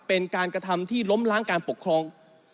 เป็นการกระทำที่ล้มล้างการปกครอง